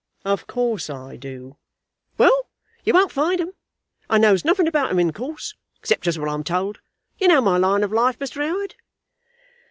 "Of course I do." "Well; you won't find 'em. I knows nothing about 'em, in course, except just what I'm told. You know my line of life, Mr. 'Oward?"